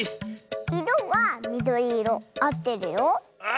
いろはみどりいろあってるよ。